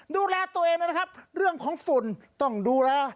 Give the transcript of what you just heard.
ดูแลตัวเองนะครับเรื่องของฝุ่นต้องดูแล